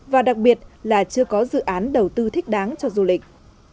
và đặc biệt là chưa có dự án đầu tư thích đáng cho du lịch